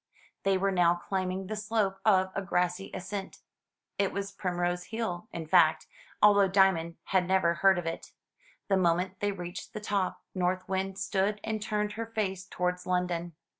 They were now climbing the slope of a grassy ascent. It was Primrose Hill, in fact, although Diamond had never heard of it. The moment they reached the top, North Wind stood and turned her face towards London.